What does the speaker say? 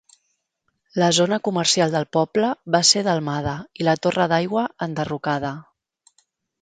La zona comercial del poble va ser delmada i la torre d'aigua enderrocada.